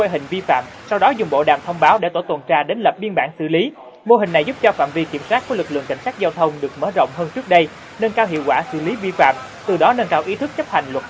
hãy đăng ký kênh để ủng hộ kênh của chúng mình nhé